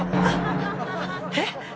えっ。